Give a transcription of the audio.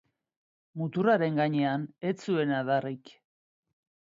Muturraren gainean ez zuen adarrik.